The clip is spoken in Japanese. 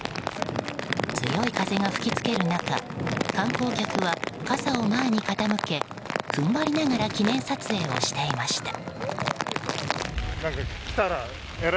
強い風が吹き付ける中観光客は傘を前に傾け、踏ん張りながら記念撮影をしていました。